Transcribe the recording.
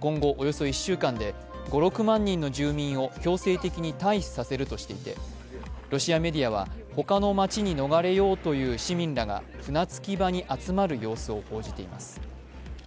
今後およそ１週間で、５６万人の住民を強制的に退避させるとしていてロシアメディアはほかの町に逃れようという市民らが船着き場に集まる様子を報じています。